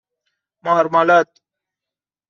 مارمالاد